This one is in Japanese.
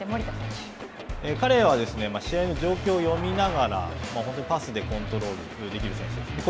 彼はですね、試合の状況を読みながら、パスでコントロールできる選手ですね。